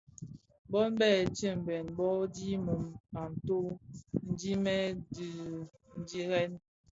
Bon bèn betsem bō dhi mum a toň dhimèè dii a dhirèn.